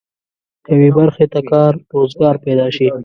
یوې برخې ته کار روزګار پيدا شي.